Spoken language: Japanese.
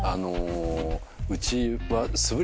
うちは。